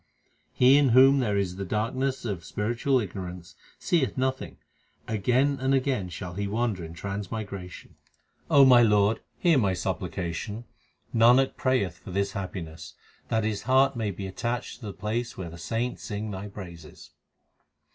He in whom there is the darkness of spiritual ignorance seeth nothing ; again and again shall he wander in trans migration. O my Lord, hear my supplication ; Nanak prayeth for this happiness That his heart may be attached to the place where the saints sing Thy praises.